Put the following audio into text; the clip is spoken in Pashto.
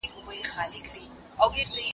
تکړښت د ښوونکي له خوا ښوول کيږي،